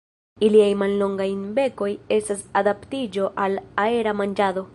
Iliaj mallongaj bekoj estas adaptiĝo al aera manĝado.